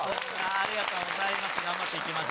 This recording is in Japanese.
ありがとうございます。